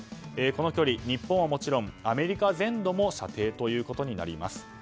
この距離、日本はもちろんアメリカ全土も射程となります。